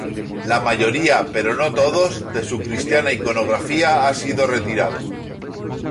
La mayoría, pero no todos, de su cristiana iconografía ha sido retirado.